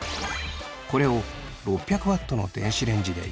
これを６００Ｗの電子レンジで１分。